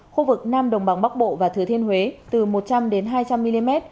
khu vực nam đồng bằng bắc bộ và thứ thiên huế từ một trăm linh hai trăm linh mm